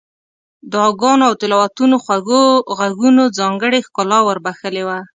دعاګانو او تلاوتونو خوږو غږونو ځانګړې ښکلا ور بخښلې وه.